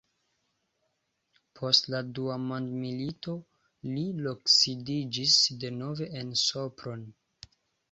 Post la dua mondmilito li loksidiĝis denove en Sopron.